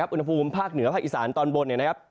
อุณหภูมิภาคเหนือภาคอิสานตอนบน